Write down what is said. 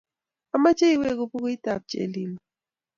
Amache iweku pukuit ap Chelimo